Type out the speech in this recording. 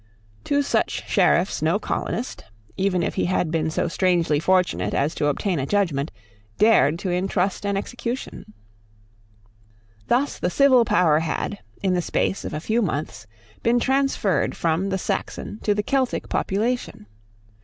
To such Sheriffs no colonist, even if he had been so strangely fortunate as to obtain a judgment, dared to intrust an execution, Thus the civil power had, in the space of a few months, been transferred from the Saxon to the Celtic population.